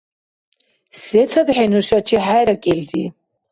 СецадхӀи нушачи хӀеракӀилри?